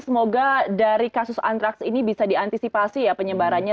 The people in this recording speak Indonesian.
semoga dari kasus antraks ini bisa diantisipasi ya penyebarannya